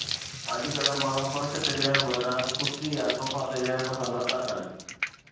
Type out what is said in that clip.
اڄڪلهه ماڻهو فرش تي ويهڻ بدران ڪرسي يا صوفا تي ويهڻ پسند نٿا ڪن